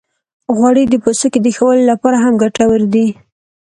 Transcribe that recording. غوړې د پوستکي د ښه والي لپاره هم ګټورې دي.